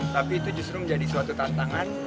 tapi itu justru menjadi suatu tantangan